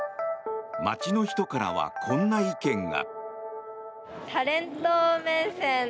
街の人からはこんな意見が。